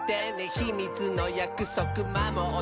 「ひみつのやくそくまもったら」